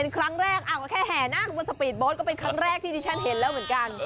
แค่แห่นั่งบนสปีดโบสต์ก็เป็นครั้งแรกที่ดิฉันเห็นแล้วเหมือนกัน